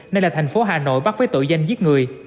nay là thành phố hà nội bắt với tội danh giết người